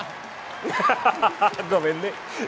ごめんね。